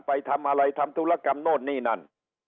ไปทำอะไรทำธุรกรรมโน่นนี่นั่น